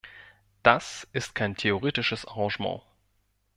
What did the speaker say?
Das ist kein theoretisches Arrangement.